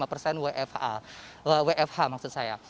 tujuh puluh lima persen wfo tujuh puluh lima persen wfh maksud saya